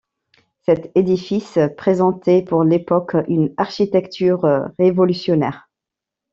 Cet édifice présentait pour l'époque une architecture révolutionnaire.